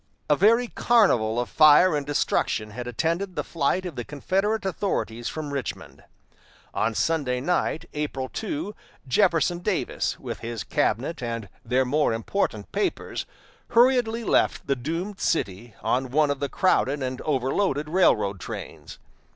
A very carnival of fire and destruction had attended the flight of the Confederate authorities from Richmond. On Sunday night, April 2, Jefferson Davis, with his cabinet and their more important papers, hurriedly left the doomed city on one of the crowded and overloaded railroad trains.